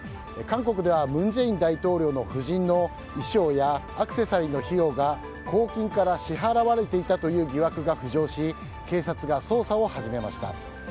韓国では文在寅大統領の夫人の衣装やアクセサリーの費用が公金から支払われていたという疑惑が浮上し警察が捜査を始めました。